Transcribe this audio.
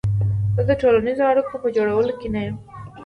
زه د ټولنیزو اړیکو په جوړولو کې نه یم.